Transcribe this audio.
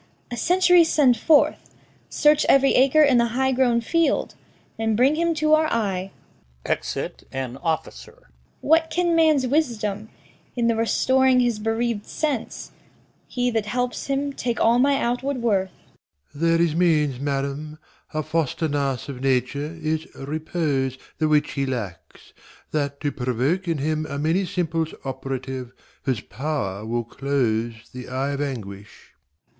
A century send forth. Search every acre in the high grown field And bring him to our eye. [Exit an Officer.] What can man's wisdom In the restoring his bereaved sense? He that helps him take all my outward worth.